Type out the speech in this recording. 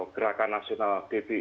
gerakan nasional dbi